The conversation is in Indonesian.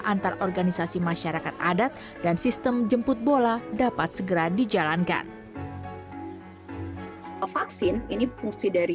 antar organisasi masyarakat adat dan sistem jemput bola dapat segera dijalankan vaksin ini fungsi dari